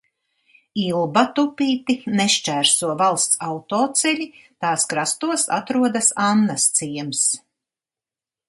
Ilbatupīti nešķērso valsts autoceļi, tās krastos atrodas Annasciems.